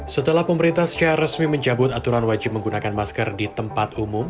setelah pemerintah secara resmi mencabut aturan wajib menggunakan masker di tempat umum